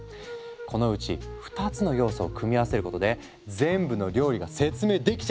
このうち２つの要素を組み合わせることで全部の料理が説明できちゃうってわけ。